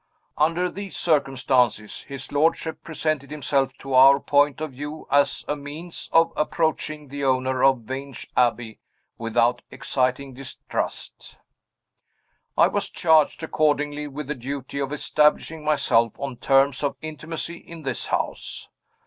Under these circumstances, his lordship presented himself to our point of view as a means of approaching the owner of Vange Abbey without exciting distrust. I was charged accordingly with the duty of establishing myself on terms of intimacy in this house.